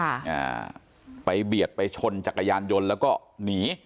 อ่าไปเบียดไปชนจักรยานยนต์แล้วก็หนี